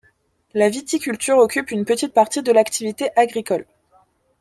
La viticulture occupe une petite partie de l'activité agricole.